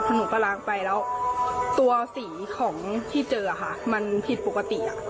หนูก็ล้างไปแล้วตัวสีของที่เจอค่ะมันผิดปกติ